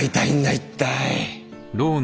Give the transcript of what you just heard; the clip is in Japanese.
一体。